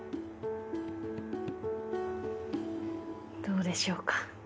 どうでしょうか？